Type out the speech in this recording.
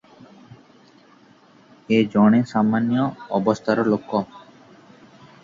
ଏ ଜଣେ ସାମାନ୍ୟ ଅବସ୍ଥାର ଲୋକ ।